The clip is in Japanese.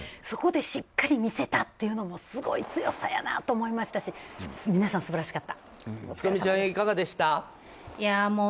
そこでしっかり見せたというのもすごい強さやなと思いましたしｈｉｔｏｍｉちゃんいかがでした？